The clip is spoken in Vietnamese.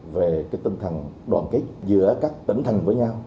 về cái tinh thần đoàn kết giữa các tỉnh thành với nhau